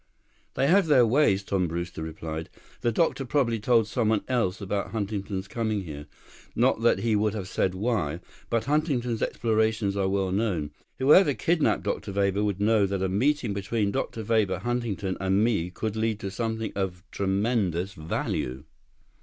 "They have their ways," Tom Brewster replied. "The doctor probably told someone else about Huntington's coming here. Not that he would have said why. But Huntington's explorations are well known. Whoever kidnapped Dr. Weber would know that a meeting between Dr. Weber, Huntington, and me could lead to something of tremendous value."